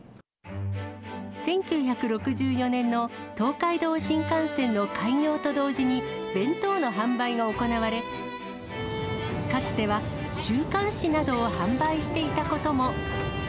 １９６４年の東海道新幹線の開業と同時に、弁当の販売が行われ、かつては週刊誌などを販売していたことも。